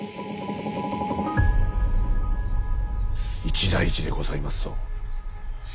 一大事でございますぞ。